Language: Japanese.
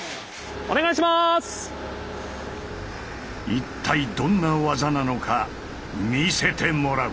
一体どんな技なのか見せてもらう。